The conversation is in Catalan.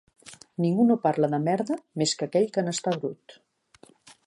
Ningú no parla de merda, més que aquell que n'està brut.